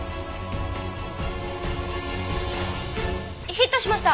ヒットしました！